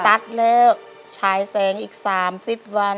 ตัดแล้วฉายแสงอีก๓๐วัน